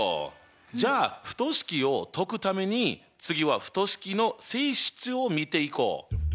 じゃあ不等式を解くために次は不等式の性質を見ていこう！